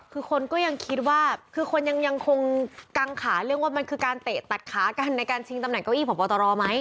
คือคนก็ยังคิดว่าคือคนยังคงกังขาเรื่องว่ามันคือการเตะตัดขากันในการชิงตำแหนเก้าอีพบตรไหม